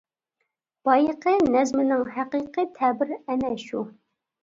بايىقى نەزمىنىڭ ھەقىقىي تەبىر ئەنە شۇ.